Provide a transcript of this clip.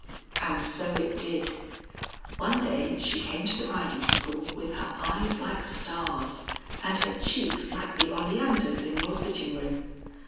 And so it did. One day she came to the riding school with her eyes like stars and her cheeks like the oleanders in your sitting room.